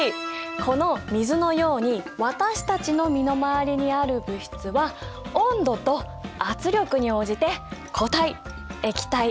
この水のように私たちの身の回りにある物質は温度と圧力に応じて固体液体気体のいずれかの状態をとる。